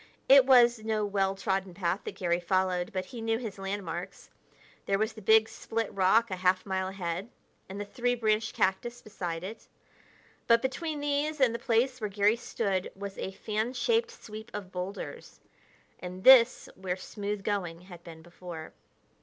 It was no well trodden path that Garry followed, but he knew his landmarks. There was the big split rock a half mile ahead, and the three branched cactus beside it. But between these and the place where Garry stood was a fan shaped sweep of boulders and this where smooth going had been before.